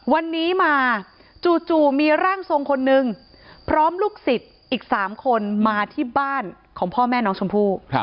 วันนี้มาจู่มีร่างทรงคนนึงพร้อมลูกศิษย์อีก๓คนมาที่บ้านของพ่อแม่น้องชมพู่